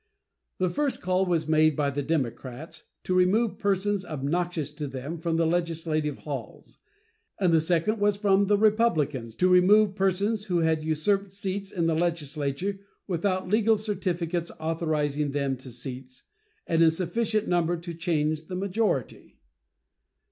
The first call was made by the Democrats, to remove persons obnoxious to them from the legislative halls; and the second was from the Republicans, to remove persons who had usurped seats in the legislature without legal certificates authorizing them to seats, and in sufficient number to change the majority.